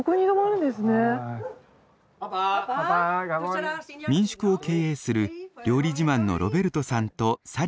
民宿を経営する料理自慢のロベルトさんとサリーさん。